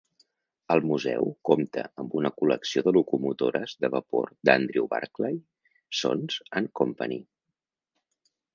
El museu compta amb una col·lecció de locomotores de vapor d'Andrew Barclay Sons and Company.